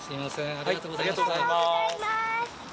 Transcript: ありがとうございます。